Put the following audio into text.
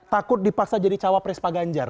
takut dipaksa jadi cawapres paganjar